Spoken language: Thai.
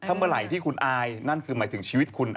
เมื่อไหร่ที่คุณอายนั่นคือหมายถึงชีวิตคุณ